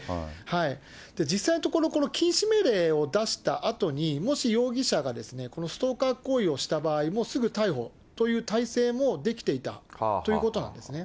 実際のところ、この禁止命令を出したあとに、もし容疑者が、このストーカー行為をした場合、もうすぐ逮捕という態勢もできていたということなんですね。